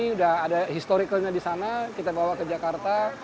sudah ada historicalnya di sana kita bawa ke jakarta